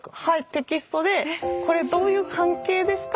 テキストでこれどういう関係ですか？